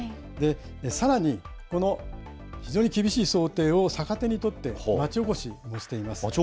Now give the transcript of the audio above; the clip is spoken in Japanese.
さらにこの非常に厳しい想定を逆手に取って、町おこしですか？